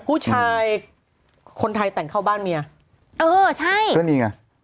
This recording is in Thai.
ผู้ชายคนไทยแต่งเข้าบ้านเมียเออใช่ก็นี่ไง